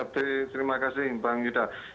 terima kasih bang yuda